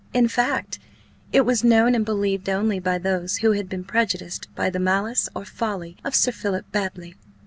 In fact, it was known and believed only by those who had been prejudiced by the malice or folly of Sir Philip Baddely.